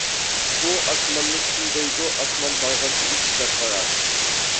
ئۇ ئاسماننى كۈيلەيدۇ ئاسمان بارغانچە ئېگىزلەپ بارار.